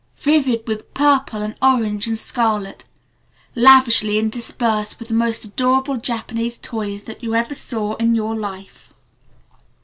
Vivid with purple and orange and scarlet. Lavishly interspersed with the most adorable Japanese toys that you ever saw in your life.)